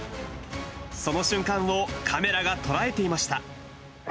その瞬間をカメラが捉えていました。